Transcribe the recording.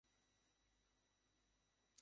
প্রকৃতিতে নতুন প্রাণের সৃষ্টি হয়।